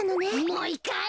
もう１かい！